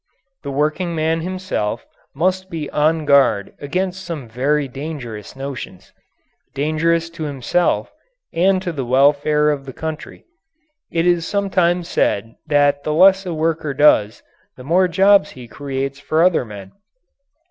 The workingman himself must be on guard against some very dangerous notions dangerous to himself and to the welfare of the country. It is sometimes said that the less a worker does, the more jobs he creates for other men.